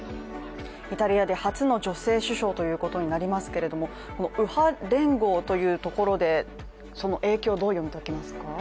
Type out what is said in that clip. イタリアで初の女性首相ということになりますけれども右派連合というところでその影響、どう読み解きますか。